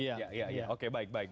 iya iya oke baik baik